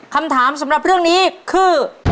คือ